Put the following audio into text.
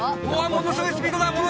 ものすごいスピード！